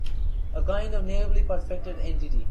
A kind of naively perfected entity.